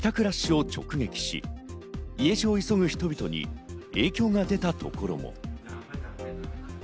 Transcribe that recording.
ラッシュを直撃し、家路を急ぐ人々に影響が出たところも。